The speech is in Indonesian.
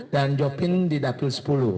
dan jovin di dapil sepuluh